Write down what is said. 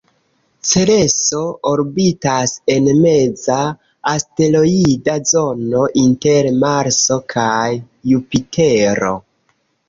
Cereso orbitas en meza asteroida zono, inter Marso kaj Jupitero.